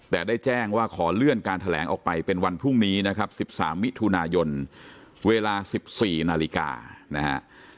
แต่ได้แจ้งว่าขอเลื่อนการแถลงออกไปเป็นวันพรุ่งนี้นะครับ๑๓มิถุนายนเวลา๑๔นาฬิกานะฮะ